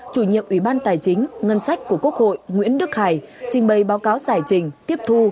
chủ nhiệm ủy ban tài chính ngân sách của quốc hội nguyễn đức hải trình bày báo cáo giải trình tiếp thu